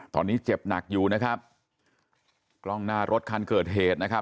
ตอนนี้เจ็บหนักอยู่นะครับกล้องหน้ารถคันเกิดเหตุนะครับ